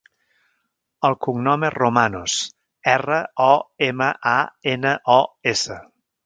El cognom és Romanos: erra, o, ema, a, ena, o, essa.